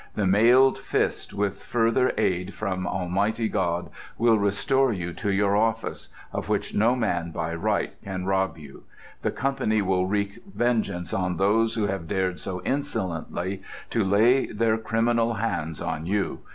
The mailed fist, with further aid from Almighty God, will restore you to your office, of which no man by right can rob you. The company will wreak vengeance on those who have dared so insolently to lay their criminal hands on you.